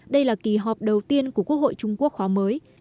đây là kỳ họp đầu tiên của quốc hội trung quốc khóa mới